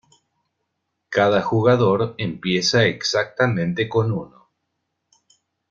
Cada jugador empieza exactamente con uno.